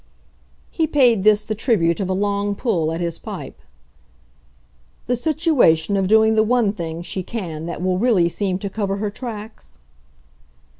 He paid this the tribute of a long pull at his pipe. "The situation of doing the one thing she can that will really seem to cover her tracks?"